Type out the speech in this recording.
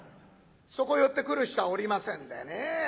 そこへ寄ってくる人はおりませんでね。